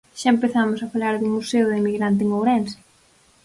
Xa empezamos a falar dun Museo do Emigrante en Ourense.